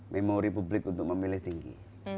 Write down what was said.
memori publik untuk memilih tinggi